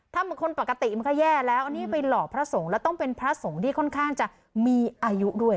ถ้าคนปกติมันก็แย่แล้วอันนี้ไปหลอกพระสงฆ์แล้วต้องเป็นพระสงฆ์ที่ค่อนข้างจะมีอายุด้วย